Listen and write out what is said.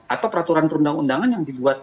atau peraturan perundang undangan yang dibuat